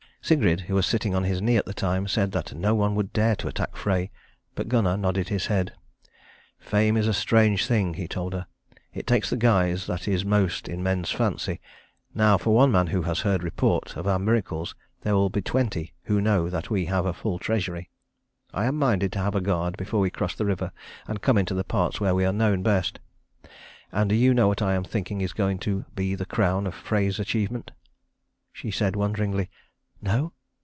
Sigrid, who was sitting on his knee at the time, said that no one would dare to attack Frey; but Gunnar nodded his head. "Fame is a strange thing," he told her; "it takes the guise that is most in men's fancy. Now for one man who has heard report of our miracles, there will be twenty who know that we have a full treasury. I am minded to have a guard before we cross the river and come into the parts where we are known best. And do you know what I am thinking is going to be the crown of Frey's achievement?" She said, wonderingly, "No."